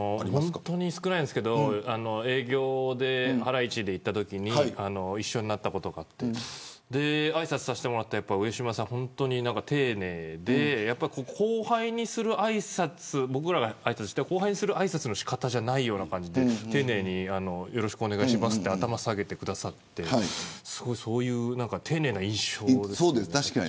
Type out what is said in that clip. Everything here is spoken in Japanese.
本当に少ないですけれど営業でハライチで行ったときに一緒になったことがあってあいさつさせてもらうと上島さん、本当に丁寧で後輩にするあいさつの仕方じゃないような感じで丁寧によろしくお願いしますと頭を下げてくださってそういう丁寧な印象です。